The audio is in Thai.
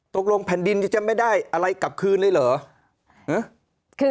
แผ่นดินจะไม่ได้อะไรกลับคืนเลยเหรอ